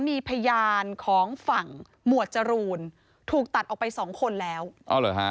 มีพยานของฝั่งหมวดจรูนถูกตัดออกไปสองคนแล้วอ๋อเหรอฮะ